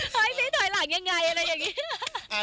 เฮ้ยพี่ถอยหลังยังไงอะไรอย่างนี้